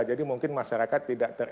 jadi mungkin masyarakat tidak teredah